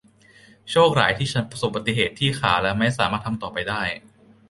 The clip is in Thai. โชคร้ายที่ฉันประสบอุบัติเหตุที่ขาและไม่สามารถทำต่อไปได้